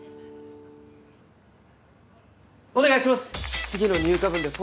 お願いします！